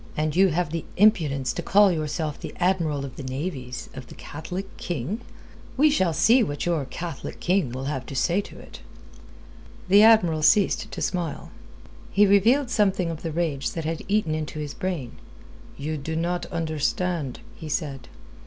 "And you have the impudence to call yourself the Admiral of the Navies of the Catholic King? We shall see what your Catholic King will have to say to it." The Admiral ceased to smile. He revealed something of the rage that had eaten into his brain. "You do not understand," he said.